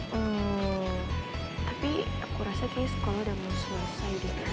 hmm tapi aku rasa kayaknya sekolah udah mau selesai gitu